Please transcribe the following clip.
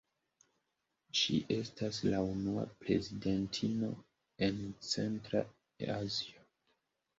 Ŝi estas la unua prezidentino en Centra Azio.